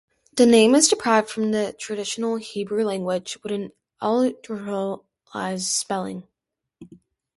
The name is derived from the traditional Hebrew language with an anglicized spelling.